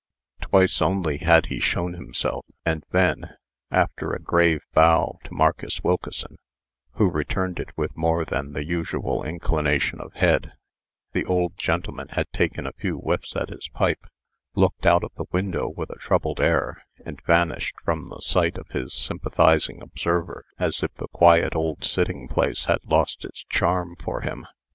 Twice only had he shown himself, and then, after a grave bow to Marcus Wilkeson, who returned it with more than the usual inclination of head, the old gentleman had taken a few whiffs at his pipe, looked out of the window with a troubled air, and vanished from the sight of his sympathizing observer, as if the quiet old sitting place had lost its charm for him.